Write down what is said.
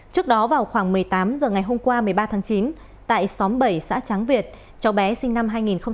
trước đó vào khoảng một mươi tám h ngày hôm qua một mươi ba tháng chín tại xóm bảy xã trắng việt cháu bé sinh năm hai nghìn hai